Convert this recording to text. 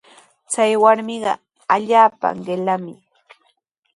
Chay warmiqa allaapa qillami.